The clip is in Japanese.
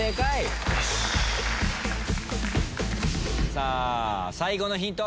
さあ最後のヒント